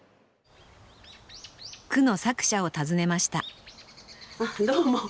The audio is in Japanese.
句の作者を訪ねましたどうも。